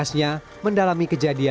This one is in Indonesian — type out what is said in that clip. masanya baru mulai astana